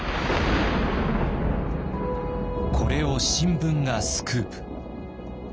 これを新聞がスクープ。